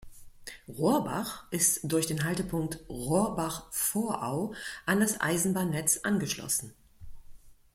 Rohrbach ist durch den Haltepunkt „Rohrbach-Vorau“ an das Eisenbahnnetz angeschlossen.